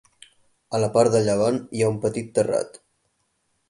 A la part de llevant hi ha un petit terrat.